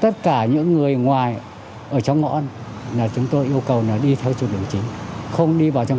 tất cả những người ngoài ở trong ngõ chúng tôi yêu cầu đi theo chủ đề chính không đi vào trong ngõ